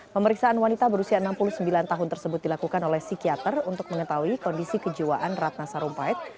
pemeriksaan wanita berusia enam puluh sembilan tahun tersebut dilakukan oleh psikiater untuk mengetahui kondisi kejiwaan ratna sarumpait